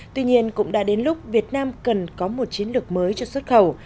tuy nhiên cũng đã đến lúc việt nam cần có một chiến lược mới cho xuất khẩu